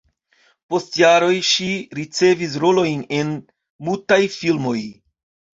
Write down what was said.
Post jaroj ŝi ricevis rolojn en mutaj filmoj.